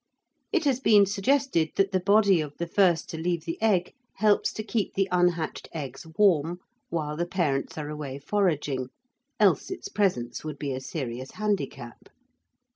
It has been suggested that the body of the first to leave the egg helps to keep the unhatched eggs warm while the parents are away foraging, else its presence would be a serious handicap.